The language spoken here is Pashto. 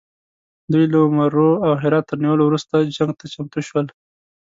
دوی له مرو او هرات تر نیولو وروسته جنګ ته چمتو شول.